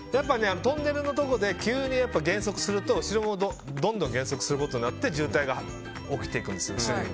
トンネルのところで急に減速すると後ろもどんどん減速することになって渋滞が起きていくんですよ。